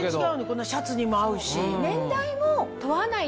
こんなシャツにも合うし。